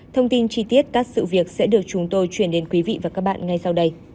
thông tin chi tiết các sự việc sẽ được chúng tôi chuyển đến quý vị và các bạn ngay sau đây